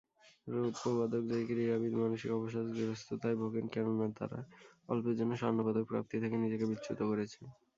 রৌপ্যপদক জয়ী ক্রীড়াবিদ মানসিক অবসাদগ্রস্ততায় ভোগেন, কেননা তারা অল্পের জন্য স্বর্ণপদক প্রাপ্তি থেকে নিজেকে বিচ্যুত করেছেন।